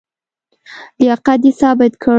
لیاقت یې ثابت کړ.